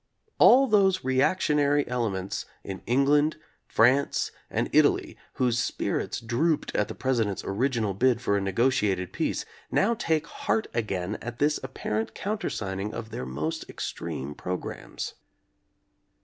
All those reactionary elements in England, France and Italy, whose spirits drooped at the President's or iginal bid for a negotiated peace, now take heart again at this apparent countersigning of their most extreme programmes.